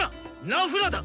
ナフラだ！